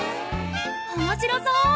面白そう！